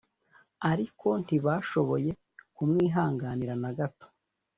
ariko ntibashoboye kumwihanganira nagato